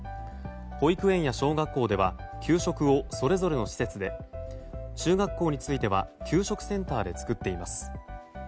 保育園や小学校では給食をそれぞれの施設で中学校については給食センターで作っています。